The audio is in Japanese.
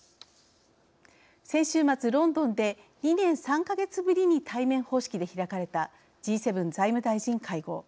先週末ロンドンで２年３か月ぶりに対面方式で開かれたＧ７財務大臣会合。